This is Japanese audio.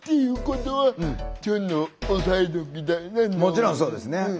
もちろんそうですね。